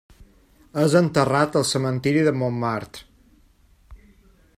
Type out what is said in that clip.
És enterrat al Cementiri de Montmartre.